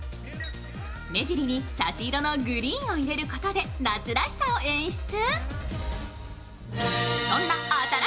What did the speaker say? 目尻に差し色のグリーンを入れることで夏らしさを演出。